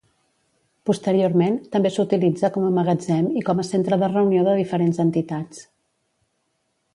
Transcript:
Posteriorment, també s'utilitza com a magatzem i com a centre de reunió de diferents entitats.